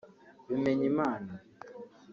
Bimenyimana